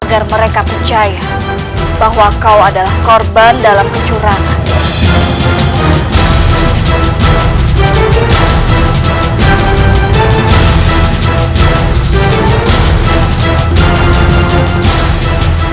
agar mereka percaya bahwa kau adalah korban dalam kecurangan